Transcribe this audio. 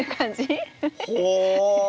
ほう！